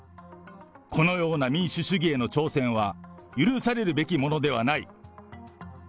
このような民主主義への挑戦は許されるべきものではない。